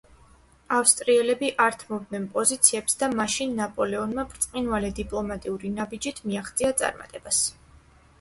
ავსტრიელები არ თმობდნენ პოზიციებს და მაშინ ნაპოლეონმა ბრწყინვალე დიპლომატიური ნაბიჯით მიაღწია წარმატებას.